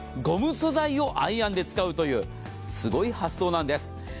ゴム素材をアイアンで使うというすごい発想なんです。